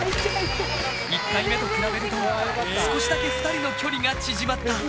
１回目と比べると少しだけ２人の距離が縮まった。